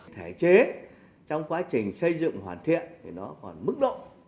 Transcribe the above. thể chế trong quá trình xây dựng hoàn thiện thì nó còn mức độ